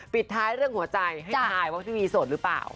ปิดท้ายเรื่องหัวใจให้ทายว่าพี่วีโสดหรือเปล่า